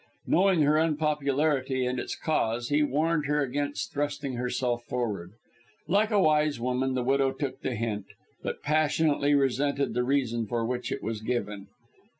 Knowing her unpopularity and its cause, he warned her against thrusting herself forward. Like a wise woman, the widow took the hint, but passionately resented the reason for which it was given.